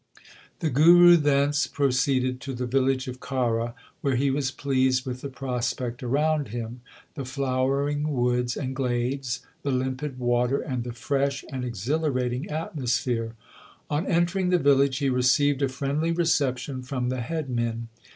The Guru thence proceeded to the village of Khara, where he was pleased with the prospect around him 1 Qn Suhi. 2 Majh. 3 Slok 192. LIFE OF GURU ARJAN 25 the flowering woods and glades, the limpid water, and the fresh and exhilarating atmosphere. On entering the village he received a friendly reception from the headmen.